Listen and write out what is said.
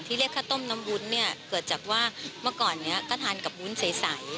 เรียกข้าวต้มน้ำวุ้นเนี่ยเกิดจากว่าเมื่อก่อนนี้ก็ทานกับวุ้นใส